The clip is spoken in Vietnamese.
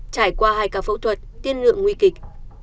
trải qua hai ca phẫu thuật tiên lượng nguy kịch